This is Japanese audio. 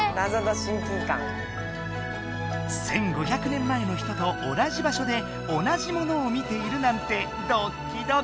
１，５００年前の人と同じ場しょで同じものを見ているなんてドッキドキ！